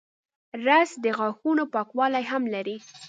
رس د غاښونو پاکوالی هم لري